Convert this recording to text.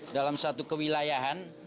dalam satu kewilayahan